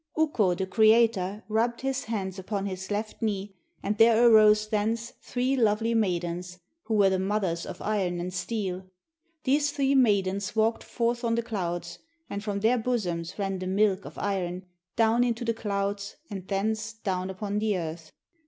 Ukko, the creator, rubbed his hands upon his left knee, and there arose thence three lovely maidens, who were the mothers of iron and steel. These three maidens walked forth on the clouds, and from their bosoms ran the milk of iron, down unto the clouds and thence down upon the earth.